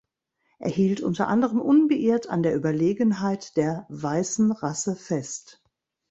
Er hielt unter anderem unbeirrt an der Überlegenheit der "weißen Rasse" fest.